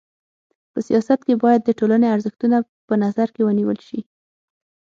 په سیاست کي بايد د ټولني ارزښتونه په نظر کي ونیول سي.